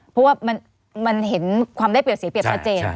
เพราะว่ามันเห็นความได้เปรียบเสียเปรียบชัดเจน